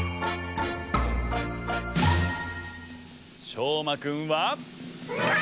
しょうまくんは。